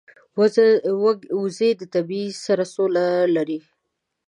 وزې د طبیعت سره سوله لري